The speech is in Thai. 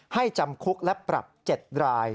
จำคุกและปรับ๗ราย